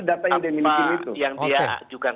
apa yang dia ajukan